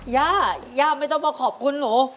ย่าย่าไม่ต้องมาขอบคุณหนู